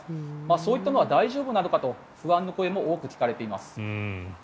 そういったのは大丈夫なのかと不安の声も大きく聞こえています。